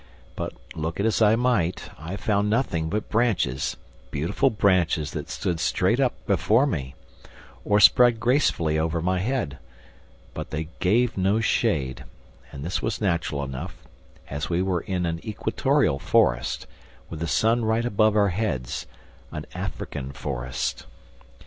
But, look as I might, I found nothing but branches, beautiful branches that stood straight up before me, or spread gracefully over my head. But they gave no shade. And this was natural enough, as we were in an equatorial forest, with the sun right above our heads, an African forest.